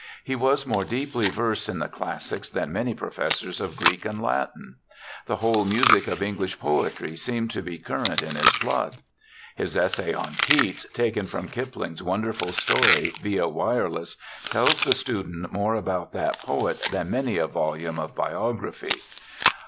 He was more deeply versed in the classics than many professors of Greek and Latin; the whole music of English poetry seemed to be current in his blood. His essay on Keats, taken with Kipling's wonderful story Via Wireless, tells the student more about that poet than many a volume of biography.